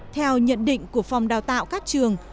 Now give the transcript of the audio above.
theo nhận định của phòng đào tạo các trường